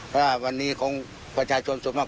ว่าวันนี้ประชาชนส่วนมาก